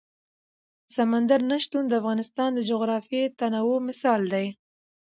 سمندر نه شتون د افغانستان د جغرافیوي تنوع مثال دی.